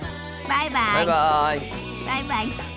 バイバイ。